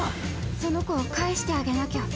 その子を返してあげなきゃ。